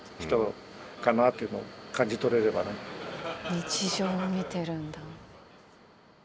日常を見てるんだ。